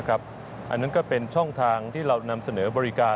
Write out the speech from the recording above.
อันนั้นก็เป็นช่องทางที่เรานำเสนอบริการ